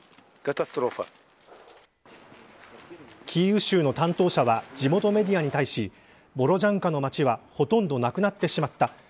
キーウ州の担当者は地元メディアに対しボロジャンカの町はほとんどなくなってしまった。